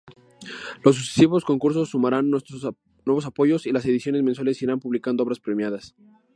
Los sucesivos concursos sumarán nuevos apoyos, y las ediciones mensuales irán publicando obras premiadas.